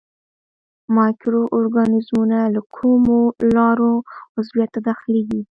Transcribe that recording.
مایکرو ارګانیزمونه له کومو لارو عضویت ته داخليږي.